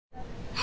あ！